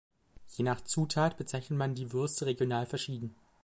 Je nach Zutat bezeichnet man die Würste regional verschieden.